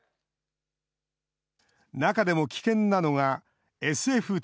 中でも危険なのが、ＳＦＴＳ。